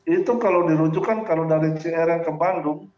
itu kalau dirujukkan kalau dari crn ke bandung